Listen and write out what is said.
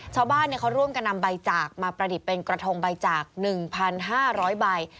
ชาวบ้านเขาร่วมกันนำใบจากมาประดิษฐ์เป็นกระทงใบจาก๑๕๐๐ใบ